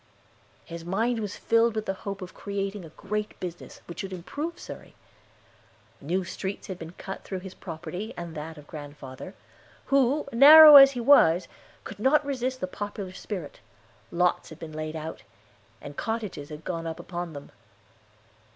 His mind was filled with the hope of creating a great business which should improve Surrey. New streets had been cut through his property and that of grandfather, who, narrow as he was, could not resist the popular spirit; lots had been laid out, and cottages had gone up upon them.